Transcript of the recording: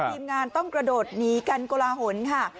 ทีมงานต้องกระโดดหนีกันโกลาหลค่ะ